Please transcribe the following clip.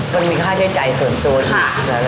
ก็ไม่มีค่าใช้ใจส่วนตัวดิ